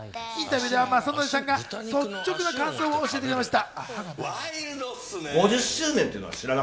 インタビューでは長谷川さんが率直な感想を教えてくれました。